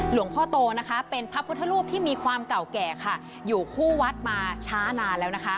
หลวงพ่อโตนะคะเป็นพระพุทธรูปที่มีความเก่าแก่ค่ะอยู่คู่วัดมาช้านานแล้วนะคะ